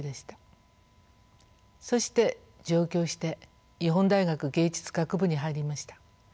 そして上京して日本大学藝術学部に入りました。